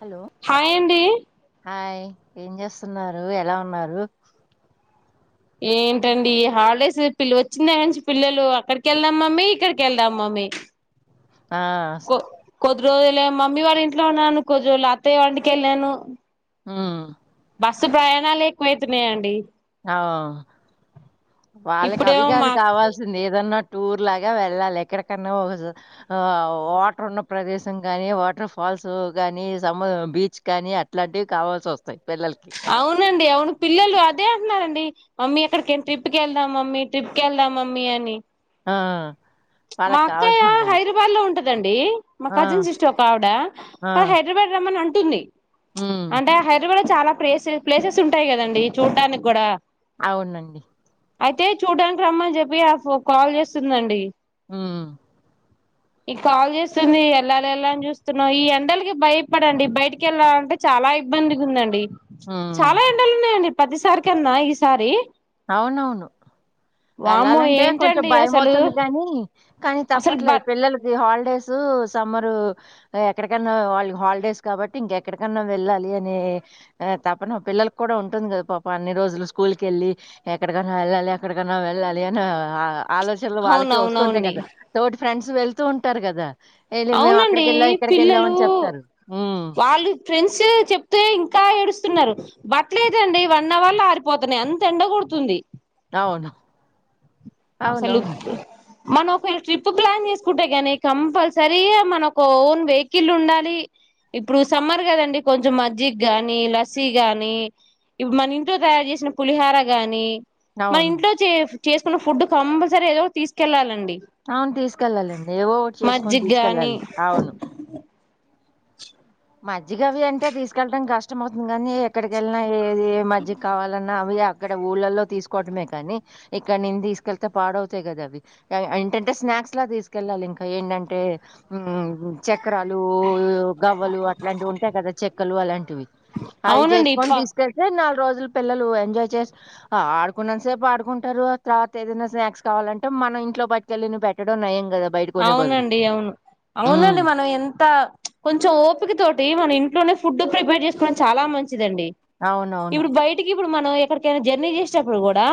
Hello hi అండి hi ఏం చేస్తున్నారు ఎలా ఉన్నారు ఏంటండి హాలిడేస్ పిల్ వచ్చిందాంచి పిల్లలు అక్కడికి వెళ్దా మమ్మ ఇక్కడికి వెళదాం మమ్మీ ఆ కొ కొద్ది రోజులేమో మమ్మీ వాడి ఇంట్లో ఉన్నాను కొద్ది రోజులు అత్తయ్య వాలిన్టికి వెళ్ళాను హమ్ బస్సు ప్రయాణాలే ఎక్కువైపోయాయి అండి ఆ వాళ్ళకి ఇప్పుడేమో అవిగాదు మా కావాల్సింది ఏదన్న టూర్ లాగా వెళ్ళాలి ఎక్కడికన్నా ఆ వాటర్ ఉన్న ప్రదేశం కానీ వాటర్ ఫాల్స్ కానీ స బీచ్ కానీ అట్లాంటివి కావాల్సి వస్తయి అవునండి అవును పిల్లలు అదే అంటున్నారండి మమ్మీ అక్కడికేనా ట్రిప్కి వెళ్దాం మమ్మీ ట్రిప్కి వెళ్దాం మమ్మీ అని ఆ మా వాళ్ళకి అక్కయ్య కావాల్సింది అది హైదరాబాద్ లో ఉంటా కదండ్ మా ఆ కజిన్ సిస్టర్ ఒక ఆవిడ ఆ తను హైదరాబాద్ రమ్మని అంటుంది తుంన్నాయ్ ఉమ్ అంటే హైదరాబాద్ చాలా ప్లేసె-ప్లేసెస్ ఉంటాయి కదండి చూడ్డానికి కూడా అవునండి అయితే చూడానికి రమ్మ అని చెప్పి కాల్ చేస్తుందండి ఉమ్ ఈ కాల్ చేస్తుంది వెళ్ళాలి వెళ్ళాలని చూస్తున్నాం ఈ ఎండలకి భయపడండి బయటికి వెళ్ళాలంటే చాలా ఇబ్బందిగా ఉందండి ఉమ్ చాలా ఎండలు ఉన్నాయండి పదిసార్కి అన్నా ఈ సారి అవునవును వామ్మో వెళ్ళాలంటే కొంచెం ఏంటండి భయం అసలు అవుతుంది కాని కానీ అసలు బ తప్పట్లేదు పిల్లలకి హాల్డే డేస్ సమ్మర్ ఎక్కడకన్నా వాళ్ళ హాలిడేస్ కాబట్టి ఇంకెక్కడికన్నా వెళ్ళాలి అనే తపన పిల్లలకి కూడా ఉంటుంది కదా పాప అన్ని రోజులు స్కూల్ కి వెళ్ళి ఎక్కడికన్నా వెళ్ళాలి ఎక్కడికన్నా వెళ్ళాలి అని ఆ ఆలోచనలు వాళ్ళకి వస్తుంటాయి అవునవునవునండి కదా తోటి ఫ్రెండ్స్ వెళ్తూ ఉంటారు కదా "ఏలే మేము అవునండి అక్కడికెళ్ళాం, ఇక్కడికెళ్ళాం" పిల్లలు అని చెప్తారు. హ్మ్. వాళ్ళు ఫ్రెండ్స్ చెప్తే ఇంకా ఏడుస్త స్తున్నారు బట్టలేదండి వన్ అవర్ లో ఆరిపోతున్నాయి అంత ఎండకడుతుంది అవును అసలు అవునవును మనం ఒకవేళ ట్రిప్ ప్లాన్ చేసుకుంటే గాని కంపల్సరీగా మన ఒక ఓన్ వెహికిల్ ఉండాలి ఇప్పుడు సమ్మర్ కదండి కొంచెం మజ్జిగ గాని లస్సీ గాని ఇప్పుడు మన ఇంట్లో తయారు చేసిన పులిహార గాని మన అవును. ఇంట్లో చే చేసుకున్న ఫుడ్ కంపల్సరీ ఏదో తీసుకెళ్లాలండి అవును తీసుకెళ్ళాలండి ఏవో చేసుకొని మజ్జిగ గాని తీసుకెళ్ళాలి అవును మజ్జిగవి అంటే తీసుకెళ్ళడం కష్టం అవుతుంది కాగానీ ఎక్కడికిెళ్ళిన ఏది ఏ మజ్జిగ కావాలన్నా మామయ అక్కడ ఉళ్ళలో తీసుకోవటం లేకాని ఇక్క నుంచి తీస్కేల్ తే పాడ అవుతాయి కదా అవి ఎందంటే స్నాయక్స్గఎండంటే చెక్రాలు లూ నువలు అట్లంటివి ఉంటయి కద చెక్కలు అలాంటివి అవి అవునండి ఇప్ప చేసుకొని తీసుకోలే తే నాక్ రోజులు పిల్లలు ఎజాయ్ చేసి ఆడుకున్నాని సేపు ఆడుకుంటారు తర్వాత ఏదైనా స్నాక్స్ కావాలంటే మనం ఇంలో బయటికెళ్ళి పెట్టడం నయయం కదా బయట కొనే బదులు అవునండి అవును ఉమ్, అవునండి మనం ఎంత కొంచం కొంచెం ఓపిక తోటి మన ఇంట్లోనే ఫుడ్ ప్రిపేర్ చేసుకోవడం చాలా మంచి దండి అవునవును ఇప్పుడు బయటికి ఇప్పుడు మనం ఎక్కడికైనా జర్నీ చేసేటప్పుడు కూడా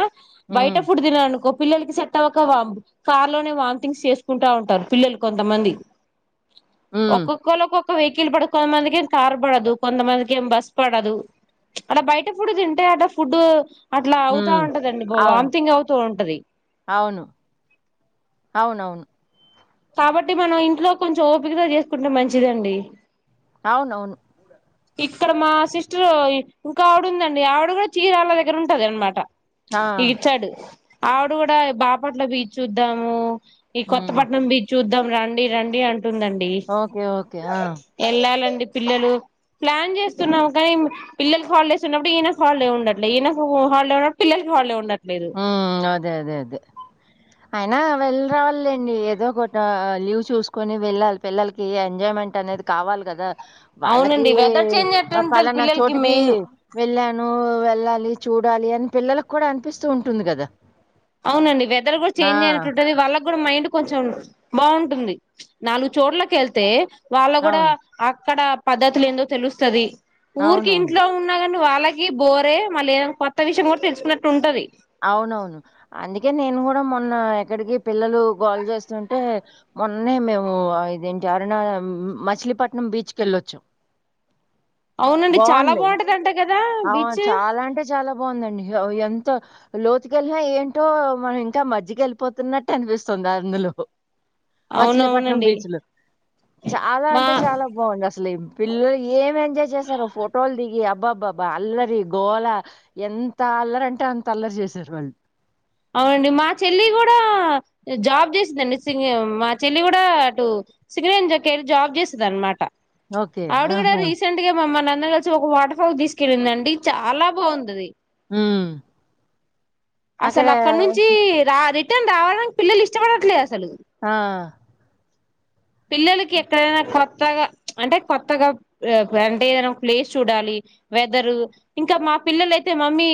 బయట ఉమ్, ఫుడ్ దిన అనుకో పిల్లలకి సెట్టవక వాం కార్ లోనే వామ్తింగ్ చేస్ కుంటా ఉంటారు పిల్లలు కొంతమంది ఉమ్. ఒక్కొక్కళ్ ఒక్ వెహికల్ పడద్ కొంమందికి ఏం కార్ పడదు కొంతమందికి ఏం బస్ పడదు ప్చ్ అలా బయట ఫుడ్ తింటే అలా ఫుడ్ అట్లా అవుతా హ్మ్. ఉంటదండి అవును. వామ్థింగ్ అవుతూ ఉంటది అవును. అవునవును. కాబట్టి మనం ఇంట్లో కొంచెం ఓపికతో చేసుకుంటే మంచిదండి అవును అవును ఇక్కడ మా సిస్టర్ ఇంకా ఆవిడ ఉందండి ఆవిడ కూడా చీ రాళ్ళ దగ్గర ఉంటది అనమాట ఆ! ఇగిచాడు ఆవిడ కూడా బాపట్ల బీచ్ చుద్దాము ఈ హ్మ్. కొత్తపట్నం బీచు ద్దాం రండి రండి అన్ టుందండి ఓకే. ఓకే. ఆ! వెళ్ళాలండి పిల్లలు ప్లాన్ చేస్తున్నాము కానీ పిల్లకి హాలిడేస్ ఉన్నప్పుడు, ఈయన హాలిడే ఉండట్లే, ఈయనకు హాలిడే ఉన్నప్పుడు పిల్లలకి హాలిడే ఉండట్, హ్మ్ అదే అదే అదే అయినా వెళ్ళి రావాలేండి ఏదో కొట లీవ్ చూసుకుని వెళ్ళాలి, పిల్లలకి ఎంజాయ్ మెంట్ అనేది కావాలి కదా, వాళ్ళకి అవునండి వెదర్ చేంజ్ ఎట్లుంటది పలానా పిల్లలకి చోటికి మెయిన్ వెళ్ళా ను వెళ్ళాలి చూడాలి అని పిల్లలకు కూడా అనిపిస్ స్తుంటుంది కదా అవునండి వెదర్ కూడా చేంజ్ అయినట్టుంటది వాళ్ళక్ కూడా మైండ్ కొంచెం బాగుంటుంది నాలుగు చోట్లకు వెళ్తే వాళ్ళ కూడా అవును. అక్కడ పద్ధతులు ఏందో తెలుస్తది ఊరికి అవునవును. ఇంట్లో ఉన్నగాన్ వాళ్ళకి బోరే మళ్ళీ ఏదైనా కొత్త విషయం కూడా తెలుసుకున్నట్టు ఉంటది అవును అవును అందుకే నేను కూడా మొన్న ఎక్కడికి పిల్లలు గోల్ జేస్తుంటే మొన్నే మేము ఆ ఇదేంటి అరుణ మచిలీపట్నం బీచ్కి వెళ్ళొచ్చాం. అవునండి చాలా బాగుంది బాగుంటదంట కదా అ బీచ్ చాలా అంటే చాలా బాగుందండి హ ఎన్ త హ్ లోతుకెళ్ళినా ఏంటో మనం ఇంకా మజ్యకి వెళ్ళిపోతున్నట్టు అనిపిస్తుంది అందులో మచిలీపట్నం అవునవునండి బీచ్లు చాలా మా అంటే చాలా బాగుంది అస్ లే పిల్లలు ఏమే మ్ చేసేసారో ఫోటోలు దిగి అబ్జ బ్బబ్బబ్బా అల్లరి గోల ఎంత అల్లరి అంటే అం అల్లరి చేశారు వాల్ అవునండి మా చెల్లి కూడా జాబ్ చేసందండి సి మా చెల్లి కూడా అటు సింగరేం వెళ్ళి జాబ్ చేసిది అనమాట ఓకే. ఆవుడు కూడాడ ఆహా! రీసెంట్గా మమ్మ నా అందరు కలిసి ఒక వాటర్ ఫాల్ తీసుకెళ్ళింది అండి చాలా బాగుంది అది హమ్ అసలు అక్కడ నుంచి రా ర రావాలనికి పిల్లలు ఇష్టపడట్లేదు అసలు ఆ పిల్లలకి ఎక్కడైనా కొత్తగ అంటే కొత్తగా అంటే ఏదైనా ఒక ప్లేస్ చూడాలి వెదరు ఇంకా మా పిల్లలు అయితే మమ్మీ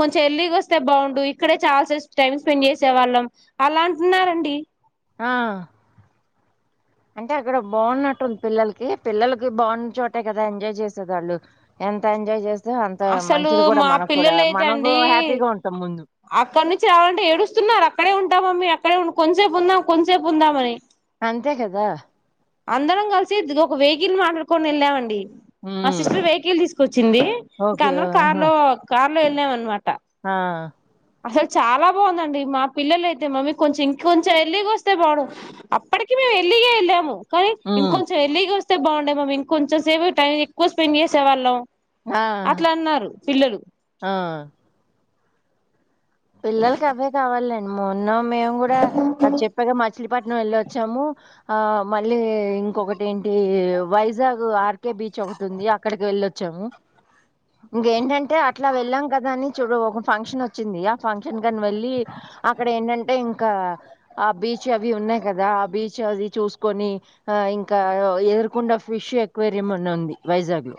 కొంచెం ఎర్లీ గ వస్తే బాగుండు ఇక్కడే చాలాసే టైం స్పెండ్ చేసే వాళ్ళం అలా అంటున్నారండి ఆ అంటే అక్కడ బాగున్నట్టుంది పిల్లలకి పిల్లలకి బాగున్న చోటే కదా ఎంజాయ్ చేసేది వాళ్ళు ఎంత ఎంజాయ్ చేస అసలు మా పిల్లలు అయిత మనకు అండి హ్యాపీగా ఉంటాం ముందు అక్కడ నుంచి రావాలంటే ఏడుస్తున్నారు అక్కడే ఉంటామమీ అ ఇక్కడం కొంసేపు ఉందాం కొంతసేపు ఉందామని అంతే కద అందరం కలిసి ఇ ఒక వెహికల్ మాట్లాడుకొని వెళ్ళామండి మా ఉమ్ సిస్టర్ వెహికల్ తీసుకు వచ్చింది ఓకే ఇంకాన ఆహా కాలు కా లో వెళ్ళాం అనమాట ఆ అసలు చాలా బాగుందండి మా పిల్లలు అయితే మమ్మీ కొంచెం ఇంకొంచెం ఎర్లీ గ వస్తే బాడం అప్పటికి మేము ఎర్లీ గే వెళ్ళాము కా ఇం ఉమ్ కొంచం ఎర్లీ గ వస్త తే బాగుండే మమ్ ఇంకంచెం టైం ఎక్కుగ స్పెండ్ చేసేవాళ్ళం ఆ అట్ల అన్నారు పిల్లలు ఆ పిల్లలకి అవే కావాలండి మో ఉన్నాం మేము కూడ అది చెప్పగా మచ విఖపట్నం వెళ్ళొచ్చాము ఆ మళ్ళీ ఇంకొకటి ఏంటి వైజాగ్ ఆర్కే బీచ్ ఒకటి ఉంది అక్కడికి వెళ్ళొచ్చాము ఇంకేంటంటే అట్ల వెళ్ళాం కదాని చూడు ఒక ఫంక్షన్ వచ్చిందియా ఫంక్షన్ కని వెళ్ళి అక్కడ ఏంటంటే ఇంకా ఆ బీచ్ అవి ఉన్నాయి కదా ఆ బీచ్ అది చూసుకొని ఆ ఇంకా ఎదురుకొడా ఫిష్ ఎక్వేరియం అని ఉంది వైజాగ్ లో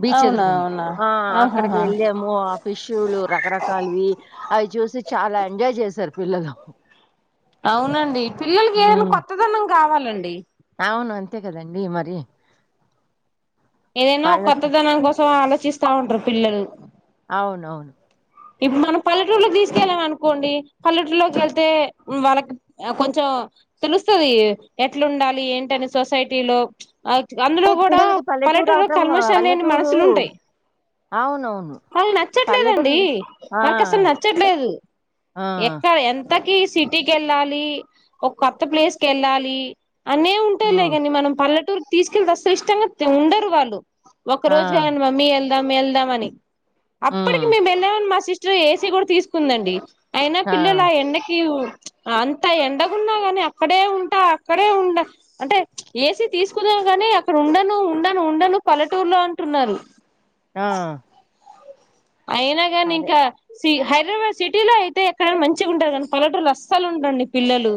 బీచ్ అవునా ఎదురుకండి అవునా ఆ అక్కడికి ఆహాహా వెళ్దాము ఆ ఫిష్లు రకరకాలవి అవి చూసి చాలా ఎంజాయ్ చేసరు పిల్లలు అవునండి పిల్లలకి ఏదైన హ్మ్. కొత్తదనం కావాలండి అవును అంతే కదండి మరి ఏదైన ఒక వాళ్ళకి కొత్తదనం కోసం ఆలో చ్చిస్తా ఉంటరు పిల్లలు అవునవును ఇప్పుడు మనం పల్లెటూళ్ళోకి తీసుకెళ్ళాం అనుకోండి పల్లెటూళ్ళోకి వెళ్తే వాళ్ళకి కొంచం ఆ అందులో అంటే కూడా పిల్లలకి పల్లెటూరు పల్లెటూళ్ళో అవటం కల్మషం లేని పల్లెటూరు మనసులు ఉంటాయి. అవునవును. వాళ్ళు నచ్చట్లేదండి. పల్లెటూరులో ఆ వాళ్ళకు అసలు నచ్చట్లేదు ఆ ఎక్కడ ఎం కొత్తకి సిటీకి వెళ్ళాలి. ఒక కొత్త ప్లేస్ కెళ్ళాలి. అన్నీ ఆ ఉంటాయిలేగాని మనం పల్లెటూరు కి తీసుకెళ్తే అసలు ఇష్టంగా తి ఉండరు వాళ్ళు ఒక్క ఆ రోజు గాదు మమ్మీ ఎల్ వెళ్దాం వెళ్దామని అప్పటికి మేము వెళ్ళామనిమా సిస్టర్ ఏసీ కూడా తీసుకుందండి. అయినా పిల్లలు ఆ ఎండకి అంత ఎండగున్నా గాని అక్కడే ఉంటా అక్కడే ఉండ అంటే ఏసీ తీసుకున్నా గాని అక్కడ ఉండను ఉండను ఉండను పల్లెటూరులో అంటున్నారు. ఆ అయినా గాని అదే ఇంకా సి హైదరాబాద్ సిటీలో అయితే ఎక్కడైనా మంచిగా ఉంటరు గానీ పల్లెటూరు లో అస్సలు ఉండరండి పిల్లలు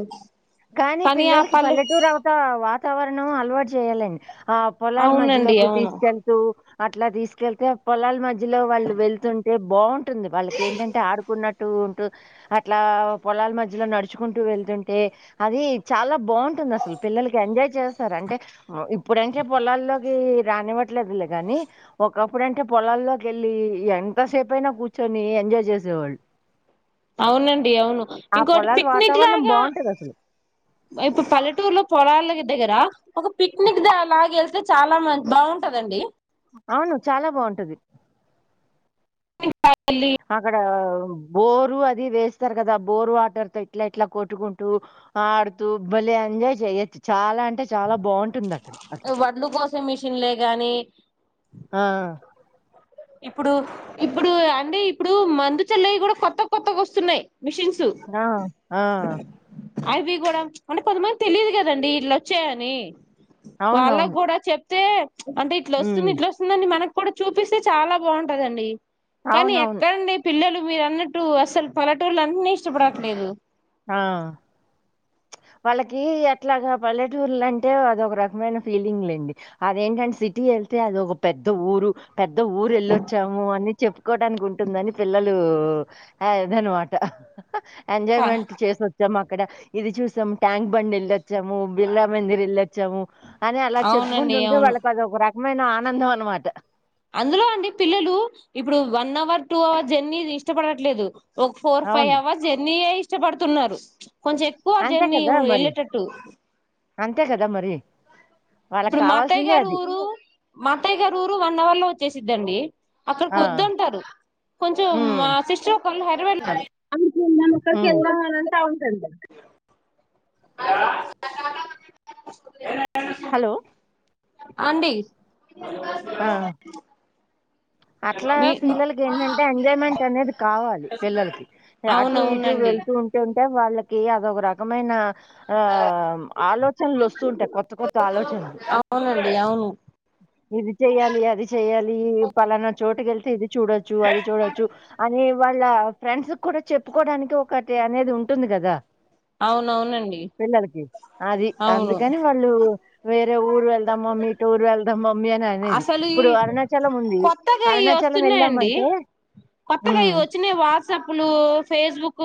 కానీ ఆ పిల్లలకి పల్లె పల్లెటూరు అవత వా వాతావరణం అలవాటు చెయ్యాలండి. ఆ పొలాల అవునండి మధ్యలోకి అవును తీసుకెళ్తూ అట్లా తీసుకెళ్తే పొలాల మధ్యలో వాళ్ళు వెళ్తుంటే బావుం టంది వాళ్ళకి ఏంటంటే ఆడుకున్నట్టు అటూ ఉంటూ అట్లా పొలాల మధ్యలో నడుచుకుంటూ వెళ్తుంటే అది చాలా బావుంటుంది అసలు పిల్లలకి ఎంజాయ్ చేస్తారు అంటే ఇప్పుడంటే పొలాల్లోకి రానివ్వట్లేదులే గాని ఒకప్పుడంటే పొలాల్లోకి వెళ్ళి ఎంతసేపయినా కూర్చొని ఎంజాయ్ చేసేవాళ్ళు. అవునండి అవును ఆ ఇంకోటి పొలాల పిక్నిక్ వాతావరణం లాగా బావుంటదసలు. ఇప్పుడు పల్లెటూరులో పొలాలకి దగ్గర ఒక పిక్నిక్ కి ద లాగ వెళ్తే చాలా మ బాగుంటదండి. అవును చాలా బావుంటది. వెళ్ళి అక్కడ ఆ బోరు అది వేస్తారు కదా బోర్ వాటర్ తో ఇట్లా ఇట్లా కొట్టుకుంటూ ఆడుతూ భల్లే ఎంజాయ్ చేయచ్చు చాలా అం అంటే చాలా బావుంటుంది. అక్కడ అట్ల వడ్లు కోసే మిషన్లే గాని ఆ. ఇప్పుడు ఇప్పుడు అండి ఇప్పుడు మందు చల్లేయి కూడా కొత్త కొత్తగా వస్తున్నాయ్. ఆ ఆ అవి కూడా అంటే కొంతమంది తెలియదు కదండి ఇట్లా వచ్చాయని. వాళ్ళకు అవునవును గూడా చెప్ తే అంటే ఇట్ల హ్మ్. వస్తుంది ఇట్ల వస్తుందని మనకు కూడ చూపిస్ ది చాలా బాగుంటదండి. కానీ అవునవును. ఎక్కడండి పిల్లలు మీరు అన్నట్టు అసలు పల్లెటూర్ల అన్నీ ఇష్టపడట్లేదు. ఆ చ్ వాళ్ళకి అట్లాగా పల్లెటూర్లంటే అదొక రకమైన ఫీలింగ్ లేండి అదేంటంటే సిటీ వెళ్తే అది ఒక పెద్ద ఊరు పెద్ద ఊరు వెళ్ళొచ్చాము అని చెప్ కూడానికి ఉంటుందని పిల్లలు ఆదన్న మాట కా ఎంజాయ్మెంట్ చేసి వొచ్చాం మాక్ ఇక్కడ ఇది చూస్ సం ట్యాంక్ బండ్ వెళ్ళొచ్చాము బిర్లా మందిర్ వెళ్ళొచ్చాము. అని అలా అవునండి చెప్పుకుంటుంటే అవును వాళ్ళకి అదొక రక్ మైన ఆనందం అన్నమాట. అందులో అండి పిల్లలు ఇప్పుడు వన్ అవర్ టూ అవర్ జర్నీది ఇష్టపడట్లేదు. ఒక ఫోర్ ఫైవ్ అవును. అవర్స్ జర్నేయే ఇస్ ఇష్టపడుతున్నారు. కొంచెం ఎక్కువ అంతే జర్నీ కదా మరి. ఎళ్ళేటట్టు. అంతే కదా మరి. వాళ్ళకి ఇప్పుడు మాత్తయ్య కావాల్సిందే గారి అది. ఊరు మాత్తయ్య గారి ఊరు వన్ అవర్ లో వచ్ చేసిద్దండి అక్కడ ఆ! ఒద్దంటారు కొంచెం హ్మ్. మా సిస్టర్ వాళ్ళు హైదరాబాద్ లో అం మ్ వాళ్ళ కడిడికి హ్మ్. ఏళదామనంటే అంతే అ హలో అండీ ఆ! [unintelligible] అట్లా పిల్లలకి ఏంటంటే ఎంజాయ్మెంట్ అనేది కావాలి పిల్లలకి అటు ఇటు అవునవునండి వెళ్తూ ఉంటూ ఉంటే వాళ్ళక్ కీ అదొక రకమైనా ఆ ఆలోచనలు వస్తూ ఉంటాయి కొత్త కొత్త ఆలోచనలు అవునండి అవును ఇది చెయ్యాలి అది చెయ్యాలి పలానా చోట్ పిల్లల్తీది చూడొచ్చు అది చూడొచ్చు అని వాళ్ళ ఫ్రెండ్స్ కూడా చెప్పుకోవడానికి ఒక అనేది ఉంటుంది గదా. అవునవునండి పిల్లలకి అది అవును అందుకని వాళ్ళు వేరే ఊరు వెళ్దామా మీటూరు వెళ్దామా మీ అని అనేది అసలు ఈ ఇప్పుడు అరుణాచలం ఉంది. కొత్తగా ఇ అరుణాచలం వస్తున్నాయండి వెళ్ళామంటే కొత్తగా ఇ హ్మ్. వచ్చినయి వాట్సాప్లు ఫేస్బుక్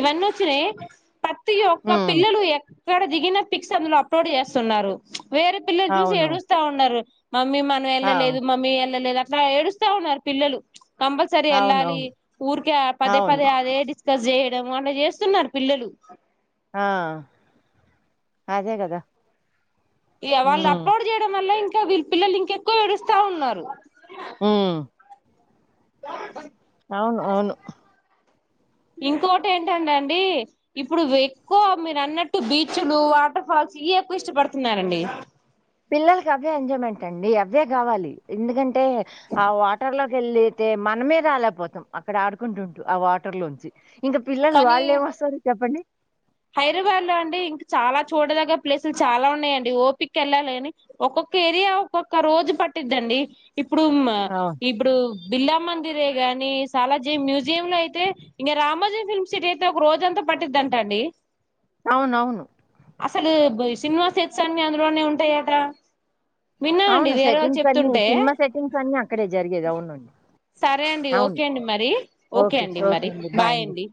ఇవన్నీ వచ్చినయి ప ప్రతి యొక్క హ్మ్. పిల్లలు ఎ ఇక్కడ దిగిన పిక్స్ అందులో అప్లోడ్ చేస్తున్నారు. వేరే పిల్లలు చూసి అవును. ఏడుస్తా ఉండారు. మమ్మీ మనం ఆ! వెళ్ళలేదు మమ్మీ ఎళ్ళలేదు. అట్లా ఏడుస్తా ఉన్నారు పిల్లలు. కంపల్సరి ఎల్లాలి అవునవును. అవును. ఊర్కే పదే అవును పదే అదే డిస్ ఇట్ల జేయడం అట్ల చేస్తున్నారు పిల్లలు. ఆ అదే కదా. ఇ వాళ్ళు అప్లోడ్ చేయడం వల్ల ఇం ఇంకా వీళ్ళ పిల్లలు ఇంకెక్కువ ఏడుస్తా ఉన్నారు. హ్మ్ [inaudible] అవును అవును. ఇంకోటి ఏంటంటే అండి ఇప్పుడు ఎక్కువ మీరు అన్నట్టు బీచ్లు వాటర్ ఫాల్స్ ఇయే ఎక్కువ ఇష్టపడుతున్నారండి. పిల్లలకి అవే ఎంజాయ్మెంట్ అండి. అవ్వే గావాలి ఎందుకంటే ఆ వాటర్ లోకి వెళ్ళితే మనమే రాలేకపోతాం. అక్కడ ఆడుకుంటుంటూ ఆ వాటర్ లోంచి కానీ హైదరాబాద్ లో అండి ఇంక చాలా చూడదగ్గ ప్లేసులు చాలా ఉన్నాయండి. ఓపిగ్గా వెళ్ళాలి గాని ఒక్కొక్క ఏరియా ఒక్కొక్క రోజు పట్టిద్దండి. ఇప్పుడు మ్ అవును. ఇప్పుడు బిర్లా మందిరే గాని సాలార్జంగ్ మ్యూజియం లో అయితే ఇంక రామజ ఫిల్మ్ సిటీ అయితే ఒక రోజంతా పట్టిద్దంట అండి. అవునవును. అసలు బ్ ఈ సినిమా సెట్స్ అన్ని అందులోనే ఉంటాయట. విన్నానండి అవును వేరే వాళ్ళు సెట్టింగ్స్ అన్ని చెప్తుంటే సినిమా సెట్టింగ్స్ అన్ని అక్కడే జరిగేది అవునండి. సరే అండి అవును. ఓకే అండి మరి ఓకే అండి మరి బాయ్ అండి.